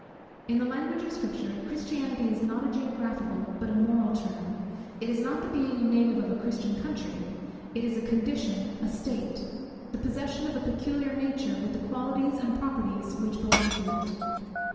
In the language of Scripture, Christianity is not a geographical, but a moral term. It is not the being a native of a Christian country: it is a condition, a state; the possession of a peculiar nature, with the qualities and properties which belong to it.